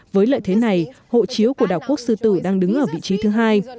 với lợi thế này hộ chiếu của đảo quốc sư tử đang đứng ở vị trí thứ hai